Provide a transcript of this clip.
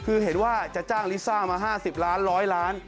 คือเห็นว่าจะจ้างลิซ่ามา๕๐ล้าน๑๐๐ล้าน